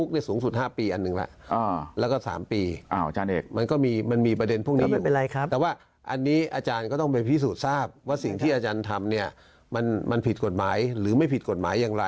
ขึ้นเหมือนกันนะขึ้นเหมือนกันนะ